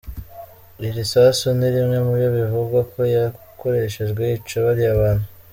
Iiri sasu ni rimwe muyo bivugwa ko yakoreshejwe yica bariya bantu.